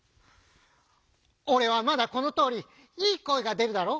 「俺はまだこのとおりいい声が出るだろ？